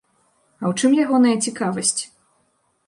А ў чым ягоная цікавасць?